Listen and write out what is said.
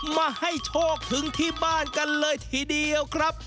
มาให้โชคถึงที่บ้านกันเลยทีเดียวครับ